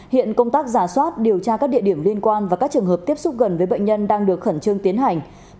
hiện công tác giả soát điều tra các địa điểm liên quan và các trường hợp tiếp xúc gần với bệnh nhân đang được khẩn trương tiến hành